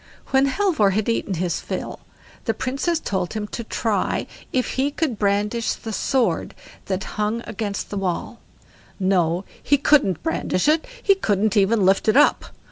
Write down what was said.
When Halvor had eaten his fill, the Princess told him to try if he could brandish the sword that hung against the wall; no, he couldn't brandish it, he couldn't even lift it up.